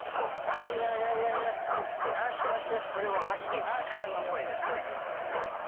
これははっきり威嚇の声ですね。